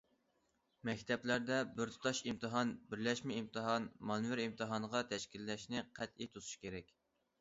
مەكتەپلەردە بىر تۇتاش ئىمتىھان، بىرلەشمە ئىمتىھان، مانېۋىر ئىمتىھانغا تەشكىللەشنى قەتئىي توسۇش كېرەك.